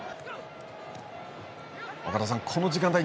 岡田さん、この時間帯